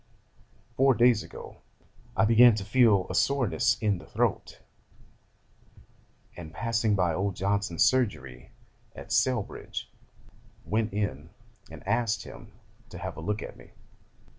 Four days ago, I began to feel a soreness in the throat, and passing by old Johnson's surgery at Selbridge, went in and asked him to have a look at me.